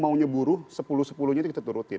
maunya buruh sepuluh sepuluh nya itu kita turutin